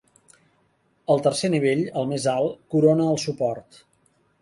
El tercer nivell, el més alt, corona el suport.